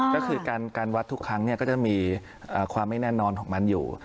ก็คือการวัดทุกครั้งก็จะมีความไม่แน่นอนของมันอยู่